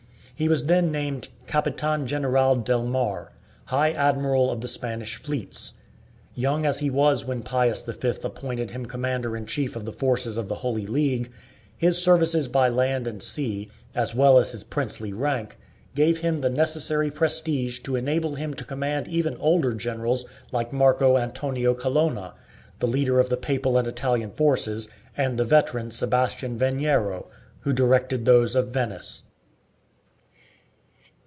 He was then named "Capitan General del Mar" High Admiral of the Spanish fleets. Young as he was when Pius V appointed him commander in chief of the forces of the Holy League, his services by land and sea, as well as his princely rank, gave him the necessary prestige to enable him to command even older generals like Marco Antonio Colonna, the leader of the papal and Italian forces, and the veteran Sebastian Veniero, who directed those of Venice.